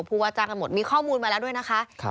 ว่าจ้างกันหมดมีข้อมูลมาแล้วด้วยนะคะ